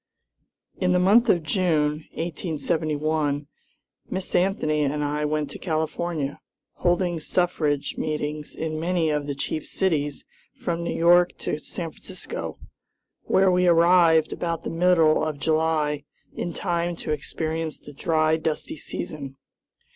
In the month of June, 1871, Miss Anthony and I went to California, holding suffrage meetings in many of the chief cities from New York to San Francisco, where we arrived about the middle of July, in time to experience the dry, dusty season.